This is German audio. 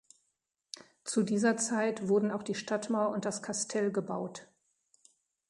Zu dieser Zeit wurden auch die Stadtmauer und das Kastell gebaut.